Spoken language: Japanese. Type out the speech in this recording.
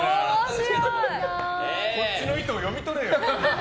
こっちの意図を読み取れよ。